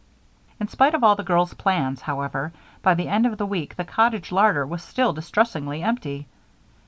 In spite of all the girls' plans, however, by the end of the week the cottage larder was still distressingly empty.